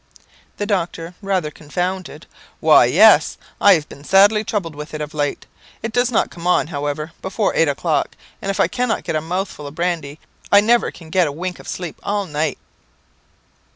The doctor, rather confounded "Why, yes; I have been sadly troubled with it of late. It does not come on, however, before eight o'clock, and if I cannot get a mouthful of brandy, I never can get a wink of sleep all night."